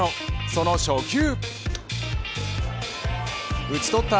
その初球。